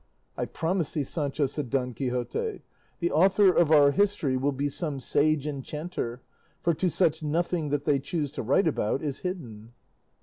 "I promise thee, Sancho," said Don Quixote, "the author of our history will be some sage enchanter; for to such nothing that they choose to write about is hidden."